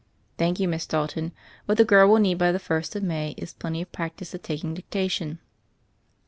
"Thank you, Miss Dalton. What the girl will need by the first of May is plenty of prac tice at taking dictation."